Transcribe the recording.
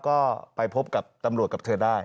ก็ไปพบกับตำรวจกับเธอได้